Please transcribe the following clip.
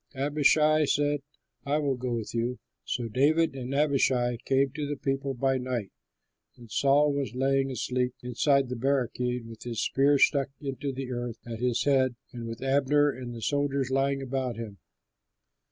Abishai said, "I will go with you." So David and Abishai came to the people by night, and Saul was lying asleep inside the barricade, with his spear stuck into the earth at his head and with Abner and the soldiers lying about him.